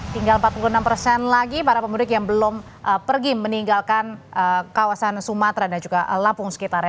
tinggal empat puluh enam persen lagi para pemudik yang belum pergi meninggalkan kawasan sumatera dan juga lampung sekitarnya